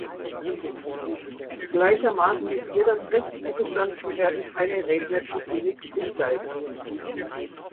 Gleichermaßen muss ihr das Recht zugestanden werden, eine Rednertribüne zu besteigen.